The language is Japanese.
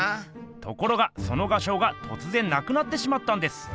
ところがその画商がとつぜんなくなってしまったんです。